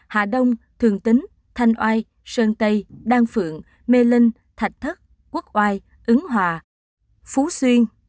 hà đông thường tính thanh oai sơn tây đan phượng mê linh thạch thất quốc oai ứng hòa phú xuyên